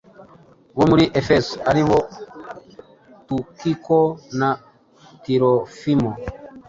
bo muri Efeso ari bo Tukiko na Tirofimo.